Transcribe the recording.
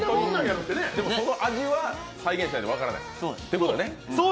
でもその味は再現しないと分からないってことね。